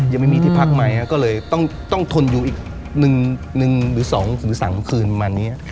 ยังไม่มีที่พักใหม่ก็เลยต้องทนอยู่อีก๑หรือ๒หรือ๓คืนประมาณนี้